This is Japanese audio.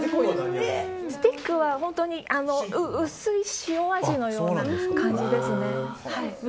スティックは薄い塩味のような感じですね。